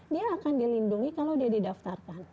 dia akan dilindungi kalau dia didaftarkan